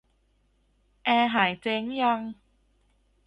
แอร์หายเจ๊งยัง